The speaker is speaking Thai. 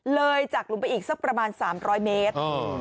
เลยจากหลุมไปอีกสักประมาณ๓๐๐เมตร